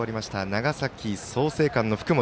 長崎、創成館の福盛。